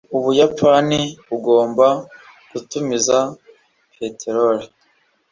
ubuyapani bugomba gutumiza peteroli